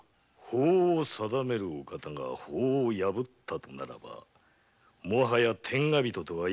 法を定めるお方が法を破ったとあればもはや天下人とは言えぬ。